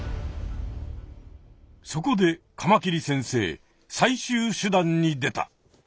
そこでカマキリ先生最終手段に出た！